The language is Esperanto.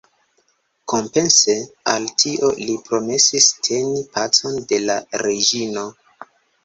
Kompense al tio, li promesis teni „pacon de la reĝino“.